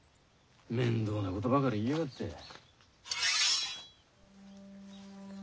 面倒なことばかり言いやがって。